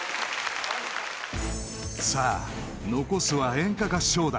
［さあ残すは演歌合唱団］